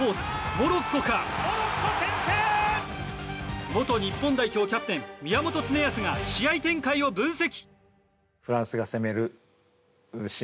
モロッコか元日本代表キャプテン宮本恒靖が試合展開を分析。